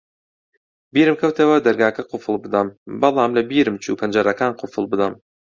بیرم کەوتەوە دەرگاکە قوفڵ بدەم، بەڵام لەبیرم چوو پەنجەرەکان قوفڵ بدەم.